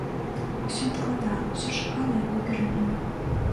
Усё адкладала, усё чакала якой перамены.